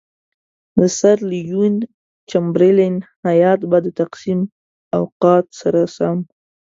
د سر لیوین چمبرلین هیات به د تقسیم اوقات سره سم.